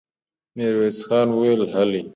ميرويس خان وويل: هلئ!